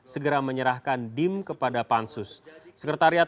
segera menyerahkan dim kepada panitia